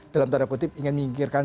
dalam tanda kutip ingin nyingkirkan